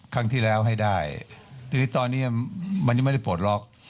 ครั้งที่แล้วให้ได้ทีนี้ตอนนี้มันยังไม่ได้ปลดล็อก